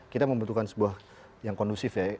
kita membutuhkan sebuah yang kondusif ya